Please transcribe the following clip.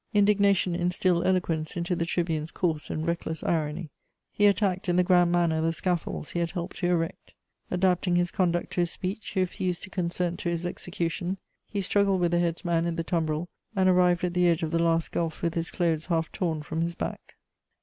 Indignation instilled eloquence into the tribune's coarse and reckless irony: he attacked in the grand manner the scaffolds he had helped to erect. Adapting his conduct to his speech, he refused to consent to his execution; he struggled with the headsman in the tumbril, and arrived at the edge of the last gulf with his clothes half tom from his back.